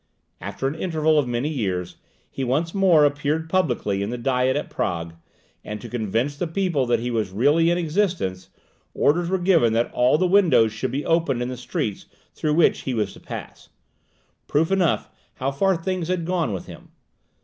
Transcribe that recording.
After an interval of many years, he once more appeared publicly in the Diet at Prague; and to convince the people that he was really still in existence, orders were given that all the windows should be opened in the streets through which he was to pass proof enough how far things had gone with him.